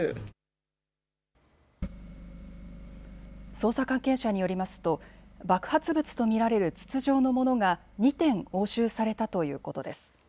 捜査関係者によりますと爆発物と見られる筒状のものが２点押収されたということです。